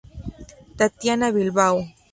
Tatiana Bilbao.